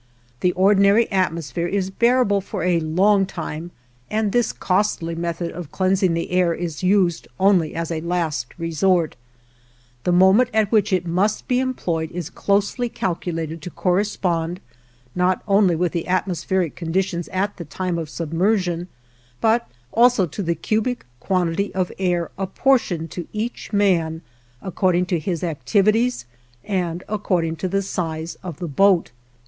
The ordinary atmosphere is bearable for a long time and this costly method of cleansing the air is used only as a last resort; the moment at which it must be employed is closely calculated to correspond, not only with the atmospheric conditions at the time of submersion, but also to the cubic quantity of air apportioned to each man according to his activities and according to the size of the boat.